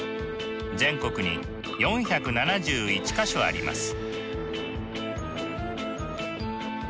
全国に４７１か所あります。